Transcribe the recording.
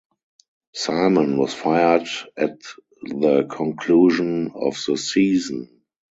Simon was fired at the conclusion of the season.